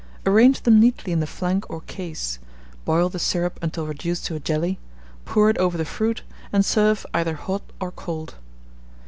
Arrange them neatly in the flanc or case; boil the syrup until reduced to a jelly, pour it over the fruit, and serve either hot or cold.